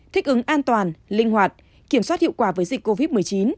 thích ứng an toàn linh hoạt kiểm soát hiệu quả với dịch covid một mươi chín